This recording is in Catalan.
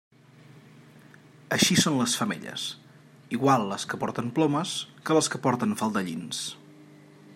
Així són totes les femelles, igual les que porten plomes que les que vesteixen faldellins.